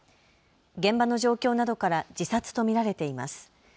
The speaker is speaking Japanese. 現場の状況などから自殺と見られています。